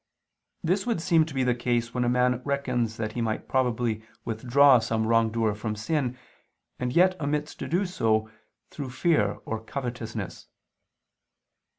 This would seem to be the case when a man reckons that he might probably withdraw some wrongdoer from sin, and yet omits to do so, through fear or covetousness.